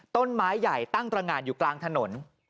ต้นไม้ใหญ่ตั้งตรงานอยู่กลางถนน